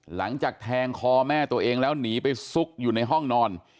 หลังจากแทงคอแม่ตัวเองแล้วหนีไปซุกอยู่ในห้องนอน